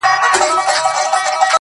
سایه یې نسته او دی روان دی.